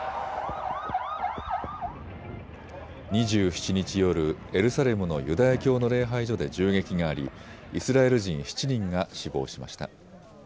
２７日夜、エルサレムのユダヤ教の礼拝所で銃撃がありイスラエル人７人が死亡しました。